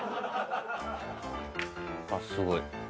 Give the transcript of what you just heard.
あっすごい。